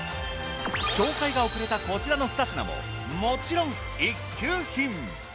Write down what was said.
紹介が遅れたこちらの２品ももちろん一級品。